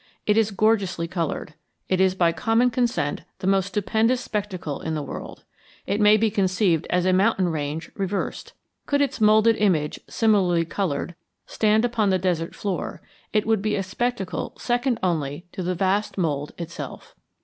It is gorgeously colored. It is by common consent the most stupendous spectacle in the world. It may be conceived as a mountain range reversed. Could its moulded image, similarly colored, stand upon the desert floor, it would be a spectacle second only to the vast mould itself.